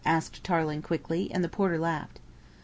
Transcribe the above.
asked Tarling quickly, and the porter laughed.